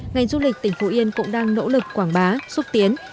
ngành du lịch tỉnh phú yên cũng đang nỗ lực quảng bá xúc tiến